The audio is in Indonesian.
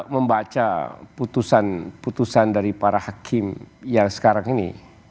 membaca putusan putusan dari para hakim yang sekarang ini